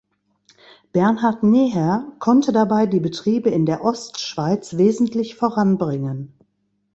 Bernhard Neher konnte dabei die Betriebe in der Ostschweiz wesentlich voranbringen.